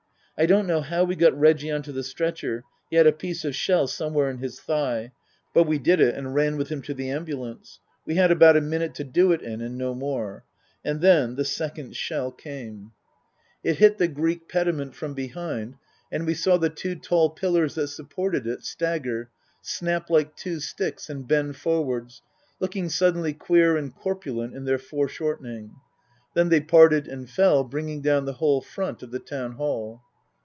I don't know how we got Reggie on to the stretcher he had a piece of shall somewhere in his thigh but we did it and ran with him to the ambulance. We had about a minute to do it in and no more. And then the second shell came. 21* 324 Tasker Jevons It hit the Greek pediment from behind, and we saw the two tall pillars that supported it stagger, snap like two sticks, and bend forwards, looking suddenly queer and corpulent in their fore shortening ; then they parted and fell, bringing down the whole front of the Town Hall.